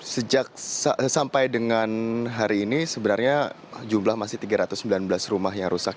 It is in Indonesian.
sejak sampai dengan hari ini sebenarnya jumlah masih tiga ratus sembilan belas rumah yang rusak